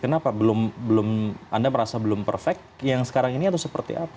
kenapa belum anda merasa belum perfect yang sekarang ini atau seperti apa